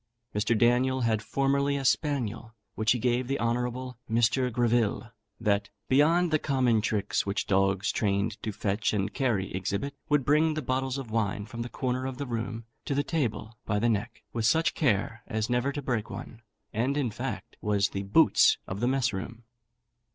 Mr. Daniel had formerly a spaniel, which he gave the honourable Mr. Greville, that, beyond the common tricks which dogs trained to fetch and carry exhibit, would bring the bottles of wine from the corner of the room to the table by the neck, with such care as never to break one; and, in fact, was the boots of the mess room.